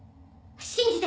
信じて。